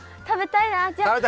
食べたい！